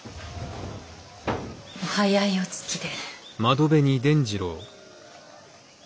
お早いお着きで。